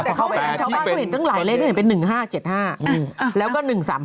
แต่เข้าไปชาวบ้านก็เห็นตั้งหลายเลขเป็น๑๕๗๕แล้วก็๑๓๕